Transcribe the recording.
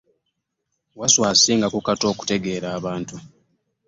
Wasswa asinga ku Kato okutegeera abantu.